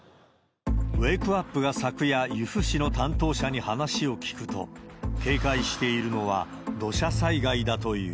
ウェークアップが昨夜、由布市の担当者に話を聞くと、警戒しているのは土砂災害だという。